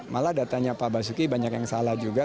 malah datanya pak basuki banyak yang salah juga